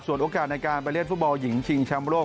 ส่วนโอกาสในการไปเล่นฟุตบอลหญิงชิงชัมโลก